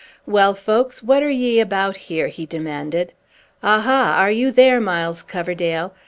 "Well, folks, what are ye about here?" he demanded. "Aha! are you there, Miles Coverdale?